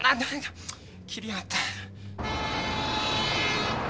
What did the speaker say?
切りやがった！